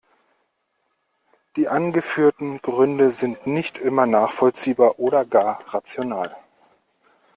Die angeführten Gründe sind nicht immer nachvollziehbar oder gar rational.